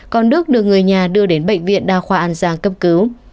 còn đức được người nhà đưa đến bệnh viện đa khoa an giang cấp cứu